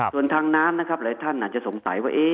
ส่วนทางน้ำนะครับหลายท่านอาจจะสงสัยว่า